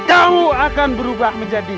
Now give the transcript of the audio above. kamu akan berubah menjadi